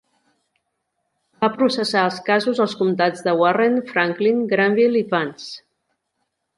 Va processar els casos als comtats de Warren, Franklin, Granville i Vance.